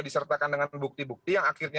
disertakan dengan bukti bukti yang akhirnya